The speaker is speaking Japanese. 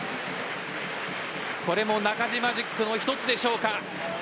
これもナカジマジックの一つでしょうか。